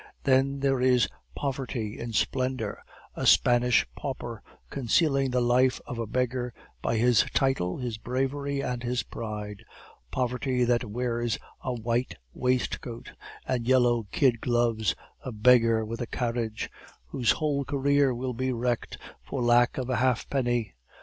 Then there is poverty in splendor, a Spanish pauper, concealing the life of a beggar by his title, his bravery, and his pride; poverty that wears a white waistcoat and yellow kid gloves, a beggar with a carriage, whose whole career will be wrecked for lack of a halfpenny.